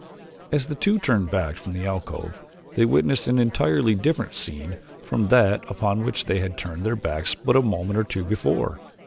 As the two turned back from the alcove they witnessed an entirely different scene from that upon which they had turned their backs but a moment or two before.